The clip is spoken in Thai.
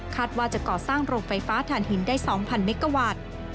ว่าจะก่อสร้างโรงไฟฟ้าฐานหินได้๒๐๐เมกาวัตต์